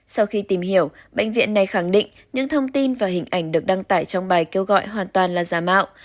sau khi tìm hiểu bệnh viện này khẳng định những thông tin và hình ảnh được đăng tải trong bài kêu gọi hoàn toàn là giả mạo